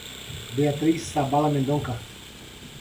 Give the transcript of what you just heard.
Beatriz Sabala Mendonca